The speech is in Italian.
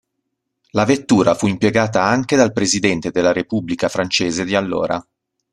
La vettura fu impiegata anche dal Presidente della repubblica francese di allora.